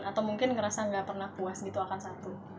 atau mungkin ngerasa gak pernah puas gitu akan satu